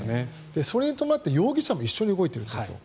それに伴って容疑者も一緒に動いてるんですよ。